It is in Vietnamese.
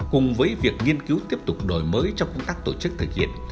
cùng với việc nghiên cứu tiếp tục đổi mới trong công tác tổ chức thực hiện